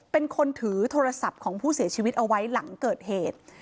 เป็นคนถือโทรศัพท์ของผู้เสียชีวิตเอาไว้หลังเกิดเหตุ